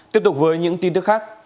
tiếp tục với những tin tức khác